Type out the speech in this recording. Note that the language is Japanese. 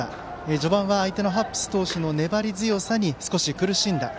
序盤は相手のハッブス投手の粘り強さに、少し苦しんだ。